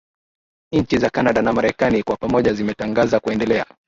nchi za canada na marekani kwa pamoja zimetangaza kuendelea